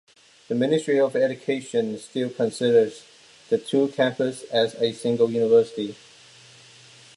The Ministry of Education still considers the two campuses as a single university.